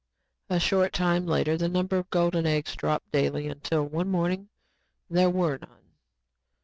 A short time later, the number of golden eggs dropped daily until one morning, there were none.